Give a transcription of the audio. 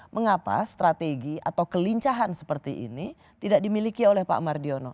mengapa strategi atau kelincahan seperti ini tidak dimiliki oleh pak mardiono